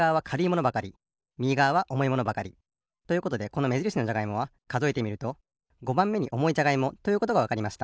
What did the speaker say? ものばかりみぎがわはおもいものばかり。ということでこのめじるしのじゃがいもはかぞえてみると５ばんめにおもいじゃがいもということがわかりました。